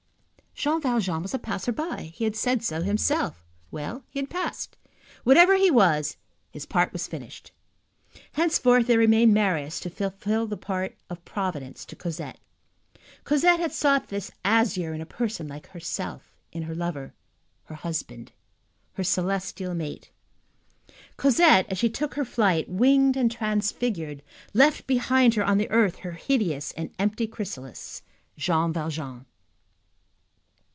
Jean Valjean was a passer by. He had said so himself. Well, he had passed. Whatever he was, his part was finished. Henceforth, there remained Marius to fulfil the part of Providence to Cosette. Cosette had sought the azure in a person like herself, in her lover, her husband, her celestial male. Cosette, as she took her flight, winged and transfigured, left behind her on the earth her hideous and empty chrysalis, Jean Valjean.